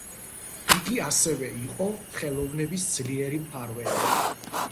იგი ასევე იყო ხელოვნების ძლიერი მფარველი.